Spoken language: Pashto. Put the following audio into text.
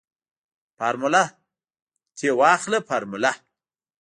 فارموله تې واخله فارموله.